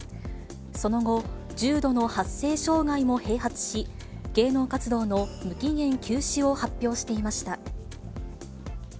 その後、重度の発声障害も併発し、芸能活動の無期限休止を発表していました。